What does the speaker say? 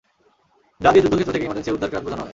যা দিয়ে যুদ্ধক্ষেত্র থেকে ইমার্জেন্সি উদ্ধারকাজ বোঝানো হয়।